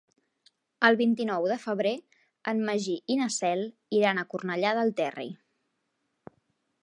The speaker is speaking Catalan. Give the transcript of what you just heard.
El vint-i-nou de febrer en Magí i na Cel iran a Cornellà del Terri.